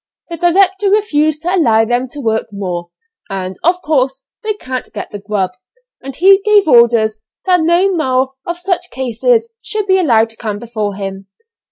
The director refused to allow them to work more, and of course they can't get the grub, and he gave orders that no more of such cases should be allowed to come before him.